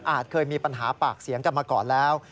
เคยมีปัญหาปากเสียงกันมาก่อนแล้ว